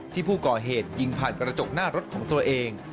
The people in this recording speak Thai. ที่ผู้ก่อเหตุยิงผ่านกระจกหน้ารถของตัวเอง